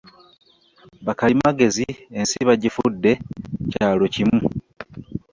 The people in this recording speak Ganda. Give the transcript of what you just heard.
Bakalimagezi ensi bagifudde ekyalo kimu.